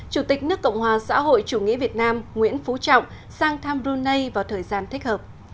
chủ tịch nước cộng hòa xã hội chủ nghĩa việt nam nguyễn phú trọng sang thăm brunei vào thời gian thích hợp